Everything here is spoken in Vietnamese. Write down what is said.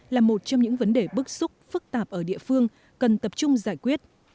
là một trong những vấn đề bức xúc phức tạp ở địa phương cần tập trung giải quyết